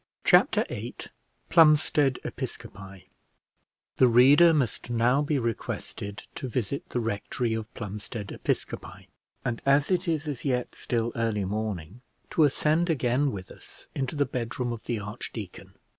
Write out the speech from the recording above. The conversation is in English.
Chapter VIII PLUMSTEAD EPISCOPI The reader must now be requested to visit the rectory of Plumstead Episcopi; and as it is as yet still early morning, to ascend again with us into the bedroom of the archdeacon.